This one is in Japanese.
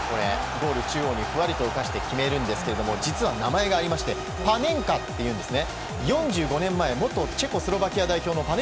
ゴール中央にふわりと浮かせて決めるんですが実は名前がありましてパネンカっていうんですね。